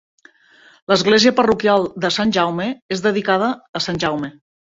L'església parroquial de Sant Jaume és dedicada a Sant Jaume.